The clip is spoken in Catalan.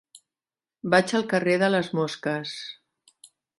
Vaig al carrer de les Mosques.